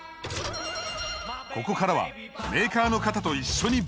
ここからはメーカーの方と一緒に分解！